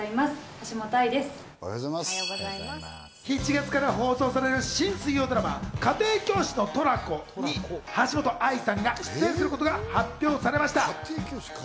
７月から放送される新水曜ドラマ『家庭教師のトラコ』に、橋本愛さんが出演することが発表されました。